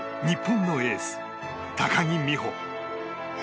日本のエース高木美帆。